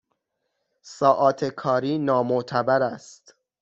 ساعات کاری نامعتبر است